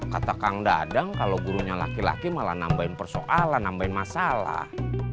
kata kang dadang kalau gurunya laki laki malah nambahin persoalan nambahin masalah